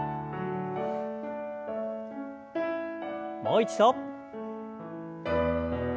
もう一度。